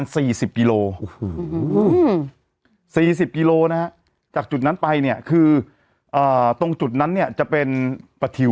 สี่สิบกิโลนะครับจากจุดนั้นไปเนี้ยคืออ่าตรงจุดนั้นเนี้ยจะเป็นประทิว